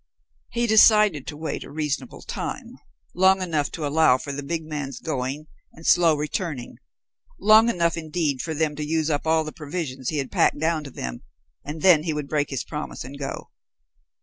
He decided to wait a reasonable time, long enough to allow for the big man's going, and slow returning long enough indeed for them to use up all the provisions he had packed down to them, and then he would break his promise and go.